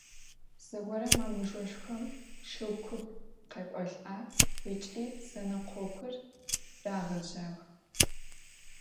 Zegorem a mızjoşşxom şşıu kup khêk'olh'ağ ıç'i zenekhokhur rağejağ.